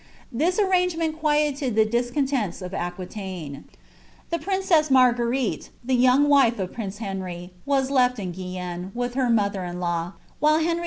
This arrangement quietetl the discontents of Aqiiitnine. I K princrss Marguerite, the young wife of prince Henry, was Ictt in I < uirnne, with her mother in law, while Henry II.